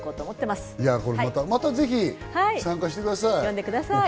またぜひ参加してください。